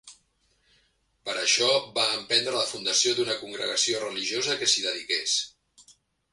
Per això, va emprendre la fundació d'una congregació religiosa que s'hi dediqués.